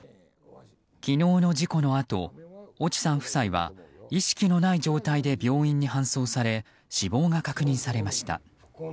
昨日の事故のあと越智さん夫妻は意識のない状態で病院に搬送され死亡が確認されました。